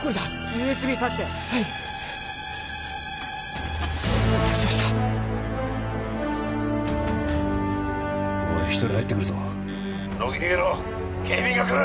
ＵＳＢ挿してはい挿しましたおい１人入ってくるぞ乃木逃げろ警備員が来る！